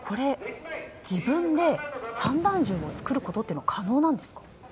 自分で散弾銃を作ることは可能なんですか？